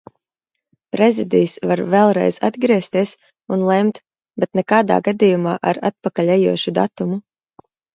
Prezidijs var vēlreiz atgriezties un lemt, bet nekādā gadījumā ar atpakaļejošu datumu.